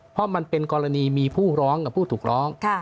เพราะมันเป็นกรณีมีผู้ร้องกับผู้ถูกร้อง